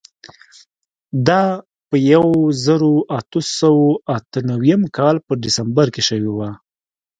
دا په یوه زرو اتو سوو اته نوېم کال په ډسمبر کې شوې وه.